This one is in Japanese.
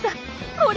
これ。